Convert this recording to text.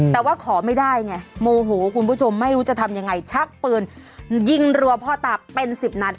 แต่ว่าขอไม่ได้ไงโมโหคุณผู้ชมไม่รู้จะทำยังไงชักปืนยิงรัวพ่อตาเป็น๑๐นัด